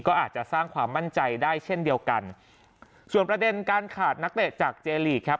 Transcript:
ก็อาจจะสร้างความมั่นใจได้เช่นเดียวกันส่วนประเด็นการขาดนักเตะจากเจลีกครับ